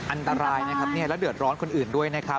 อันตรายนะครับแล้วเดือดร้อนคนอื่นด้วยนะครับ